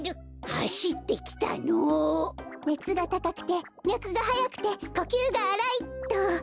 「ねつがたかくてみゃくがはやくてこきゅうがあらい」っと。